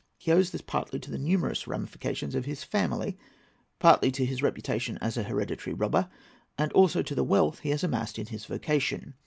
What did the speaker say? He owes this partly to the numerous ramifications of his family, partly to his reputation as a hereditary robber, and also to the wealth he has amassed in his vocation.